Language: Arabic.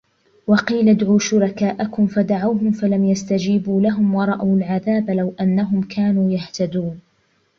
وقيل ادعوا شركاءكم فدعوهم فلم يستجيبوا لهم ورأوا العذاب لو أنهم كانوا يهتدون